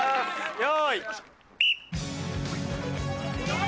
よい。